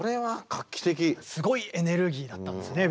すごいエネルギーだったんですね。